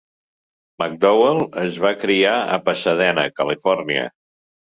McDowell es va criar a Pasadena, Califòrnia.